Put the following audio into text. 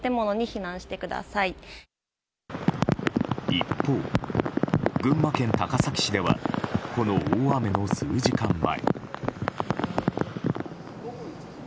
一方、群馬県高崎市ではこの大雨の数時間前。